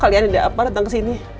kalian tidak apa apa datang ke sini